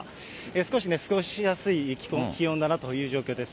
少し過ごしやすい気温だなという状況です。